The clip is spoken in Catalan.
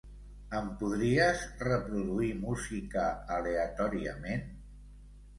Em podries reproduir música aleatòriament?